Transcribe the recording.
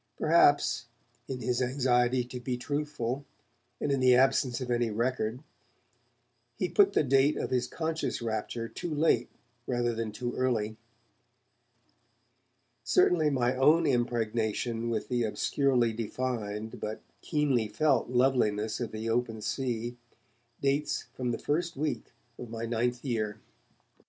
Perhaps, in his anxiety to be truthful, and in the absence of any record, he put the date of this conscious rapture too late rather than too early. Certainly my own impregnation with the obscurely defined but keenly felt loveliness of the open sea dates from the first week of my ninth year.